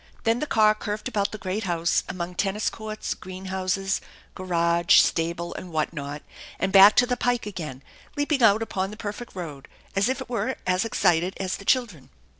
Then the car curved about the great house, among tennis courts, green houses, garage, stable, and what not, and back to the pike again, leaping out upon the perfect road as if it were as excited as the children.